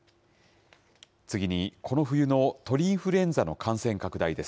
次に、この冬の鳥インフルエンザの感染拡大です。